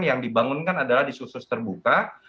yang dibangunkan adalah diskursus terbuka